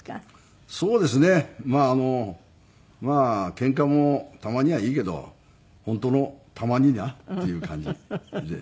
そうですねまああの喧嘩もたまにはいいけど本当のたまにな？っていう感じで。